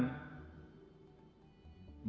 dijadikan alibi dijadikan tameng